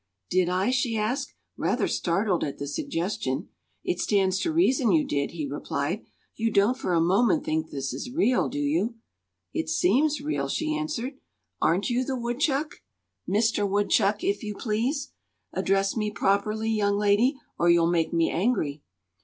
"Did I?" she asked, rather startled at the suggestion. "It stands to reason you did," he replied. "You don't for a moment think this is real, do you?" "It seems real," she answered. "Aren't you the woodchuck?" "Mister Woodchuck, if you please. Address me properly, young lady, or you'll make me angry."